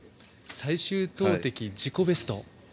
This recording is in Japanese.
最終投てきで自己ベスト。